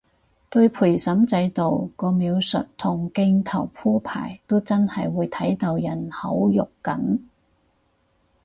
對陪審制度個描述同鏡頭鋪排都真係會睇到人好肉緊